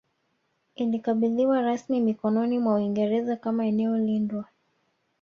Ilikabidhiwa rasmi mikononi mwa Uingereza kama eneo lindwa